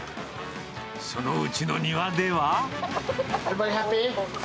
そのうちの庭では。